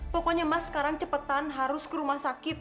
pokoknya mas sekarang cepetan harus ke rumah sakit